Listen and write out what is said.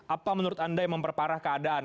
apa menurut anda yang memperparah keadaan